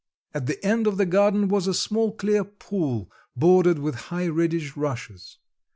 At the end of the garden was a small clear pool bordered with high reddish rushes.